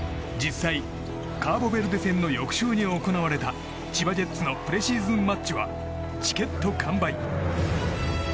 実際、カーボベルデ戦の翌週に行われた千葉ジェッツのプレシーズンマッチはチケット完売。